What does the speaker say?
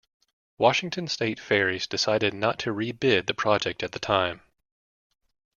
Washington State Ferries decided not to re-bid the project at the time.